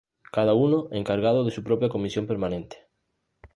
Cada uno encargado de su propia comisión permanente.